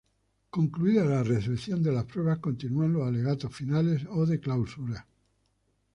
Concluida la recepción de las pruebas, continúan los alegatos finales o de clausura.